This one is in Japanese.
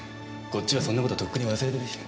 こっちはそんな事とっくに忘れてるし。